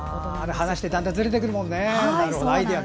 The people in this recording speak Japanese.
話してるとだんだんずれてくるもんね。